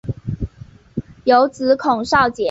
有子孔昭俭。